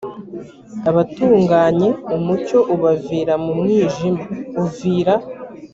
abatunganye umucyo ubavira mu mwijima uvira